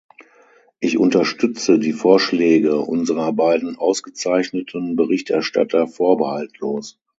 Ich unterstütze die Vorschläge unserer beiden ausgezeichneten Berichterstatter vorbehaltlos.